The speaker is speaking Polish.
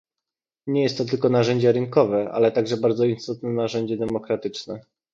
Nie jest to tylko narzędzie rynkowe, ale także bardzo istotne narzędzie demokratyczne